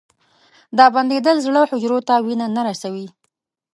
دا بندېدل زړه حجرو ته وینه نه رسوي.